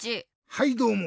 はいどうも。